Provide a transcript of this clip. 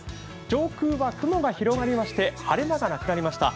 上空は雲が広がりまして晴れ間がなくなりました。